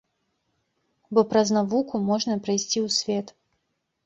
Бо праз навуку можна прайсці ў свет.